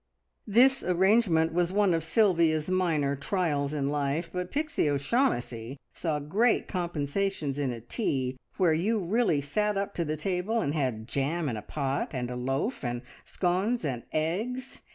This arrangement was one of Sylvia's minor trials in life, but Pixie O'Shaughnessy saw great compensations in a tea where you really sat up to the table, and had jam in a pot, and a loaf, and scones, and eggs.